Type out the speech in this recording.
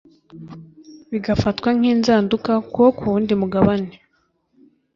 bigafatwa nk’inzaduka ku wo ku wundi mugabane